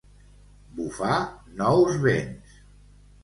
Bufar nous vents.